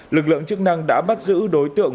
lực lượng chức năng đã bắt giữ đối tượng